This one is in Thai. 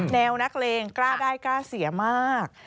แนวนักเลงกล้าได้กล้าเสียมาก